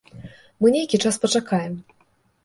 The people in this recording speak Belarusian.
Мы нейкі час пачакаем.